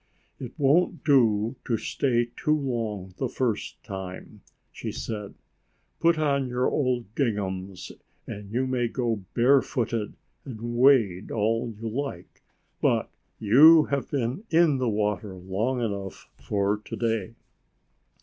"It won't do to stay too long the first time," she said. "Put on your old ginghams and you may go barefooted and wade all you like, but you have been in the water long enough for to day."